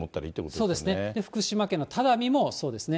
そうですね、福島県の只見もそうですね。